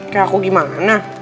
kayak aku gimana